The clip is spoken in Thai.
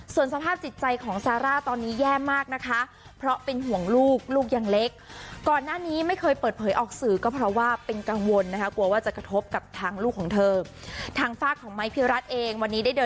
ส่วนสภาพตนใจของ